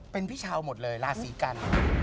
เป็นพี่ชาวหมดเลยราศีกัน